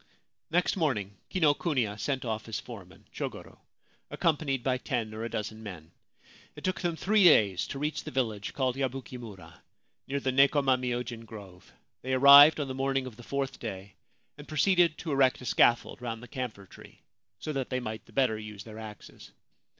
Next morning Kinokuniya sent off his foreman, Chogoro, accompanied by ten or a dozen men. It took them three days to reach the village called Yabuki mura, near the Nekoma myojin grove ; they arrived on the 358 The Camphor Tree Tomb morning of the fourth day, and proceeded to erect a scaffold round the camphor tree, so that they might the better use their axes.